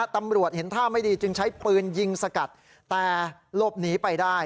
ตำรวจเห็นท่าไม่ดีจึงใช้ปืนยิงสกัดแต่หลบหนีไปได้